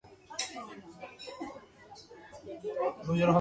He served his term along with Andrea Barbieri.